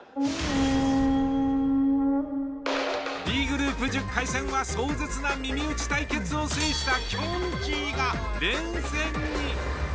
Ｂグループ１０回戦は壮絶な「耳打ち」対決を制したきょんちぃが連戦に！